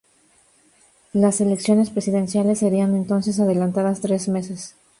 Las elecciones presidenciales serían entonces adelantadas tres meses.